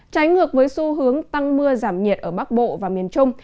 trái ngược với xu hướng tăng mưa giảm nhiệt ở bắc bộ và miền trung